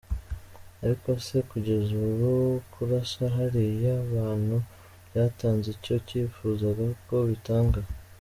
Ariko se kugeza ubu , kurasa bariya bantu byatanze icyo cyifuzaga ko bitanga?